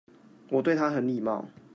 我對他很禮貌